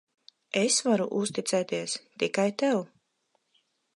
Es varu uzticēties tikai tev.